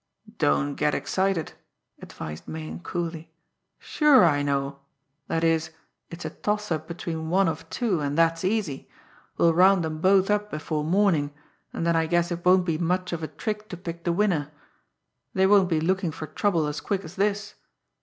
"Don't get excited!" advised Meighan coolly. "Sure, I know! That is, it's a toss up between one of two, and that's easy. We'll round 'em both up before morning, and then I guess it won't be much of a trick to pick the winner. They won't be looking for trouble as quick as this.